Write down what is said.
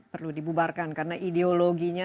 perlu dibubarkan karena ideologinya